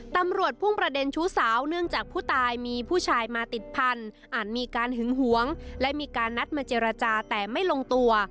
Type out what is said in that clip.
ตำรวจพุ่งประเด็นชู้สาวเนื่องจากผู้ตายมีผู้ชายมาติดพันธุ์อาจมีการหึงหวงและมีการนัดมาเจรจาแต่ไม่ลงตัว